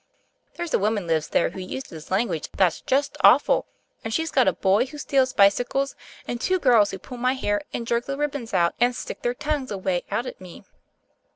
There's a woman lives there who uses language that's just awful ; and she's got a boy who steals bicycles, and two girls who pull my hair and jerk the ribbons out, and stick their tongues away out at me.